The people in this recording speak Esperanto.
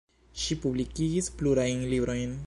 Ŝi publikigis plurajn librojn.